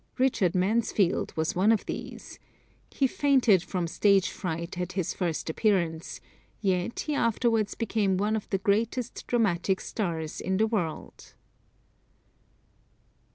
Richard Mansfield was one of these. He fainted from stage fright at his first appearance, yet he afterwards became one of the greatest dramatic stars in the world.